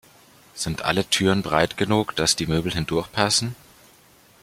Sind alle Türen breit genug, dass die Möbel hindurch passen?